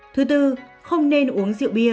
thứ tư không nên uống rượu bia